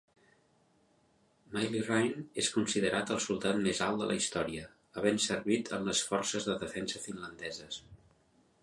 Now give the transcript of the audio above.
Myllyrinne és considerat el soldat més alt de la història, havent servit en les Forces de Defensa Finlandeses.